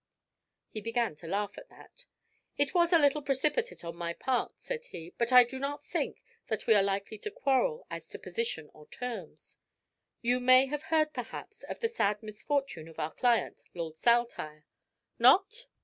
He began to laugh at that. "It was a little precipitate on my part," said he; "but I do not think that we are likely to quarrel as to position or terms. You may have heard perhaps of the sad misfortune of our client, Lord Saltire? Not?